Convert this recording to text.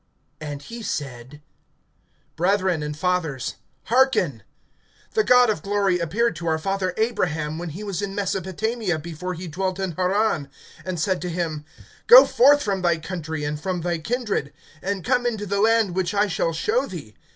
(2)And he said: Brethren, and fathers, hearken. The God of glory appeared to our father Abraham, when he was in Mesopotamia, before he dwelt in Haran, (3)and said to him: Go forth from thy country, and from thy kindred, and come into the land which I shall show thee.